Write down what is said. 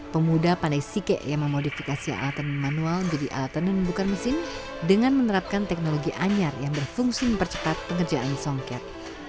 pemuda pandai sike yang memodifikasi alat tenun manual menjadi alat tenun bukan hanya untuk menanun songket tapi juga untuk menanun songket